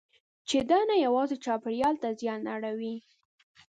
چې دا نه یوازې چاپېریال ته زیان اړوي.